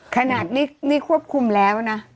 ขนาดนี้นี่ควบคุมแล้วนะ